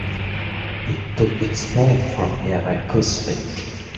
It took its name from nearby Goose Lake.